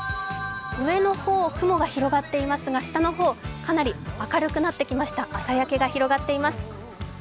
上の方、雲が広がっていますが下の方、かなり明るくなってきました、朝焼けが広がっています。